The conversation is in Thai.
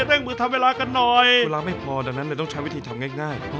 เร่งมือทำเวลากันหน่อย